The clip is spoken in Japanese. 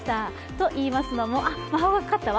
といいますのもあっ、魔法がかかったわ。